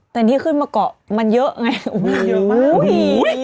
แต่นี่ขึ้นมาเกาะมันเยอะไงโอ้โหเยอะมาก